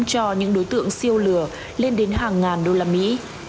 cho những đối tượng siêu lừa lên đến hàng ngàn đô la mỹ